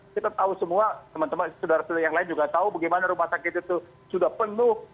kita tahu semua teman teman saudara saudara yang lain juga tahu bagaimana rumah sakit itu sudah penuh